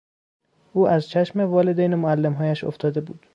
او از چشم والدین و معلمهایش افتاده بود.